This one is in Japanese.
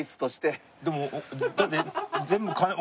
でもだって。